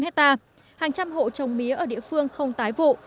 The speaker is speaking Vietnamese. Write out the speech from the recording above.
hàng trăm hộ trồng mía ở địa phương không tái vụ